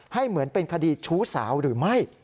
เหมือนเป็นคดีชู้สาวหรือไม่